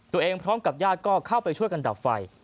พร้อมกับญาติก็เข้าไปช่วยกันดับไฟ